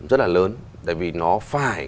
rất là lớn tại vì nó phải